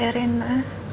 terima kasih ya rina